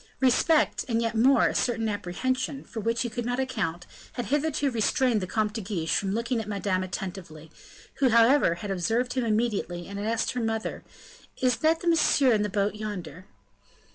Respect, and yet more, a certain apprehension, for which he could not account, had hitherto restrained the Comte de Guiche from looking at Madame attentively, who, however, had observed him immediately, and had asked her mother, "Is not that Monsieur in the boat yonder?"